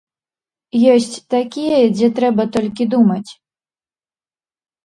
Ёсць такія, дзе трэба толькі думаць.